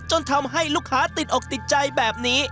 จนทำให้ลูกค้าติดอกติดใจแบบนี้